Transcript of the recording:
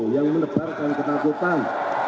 yang menebarkan ketakutan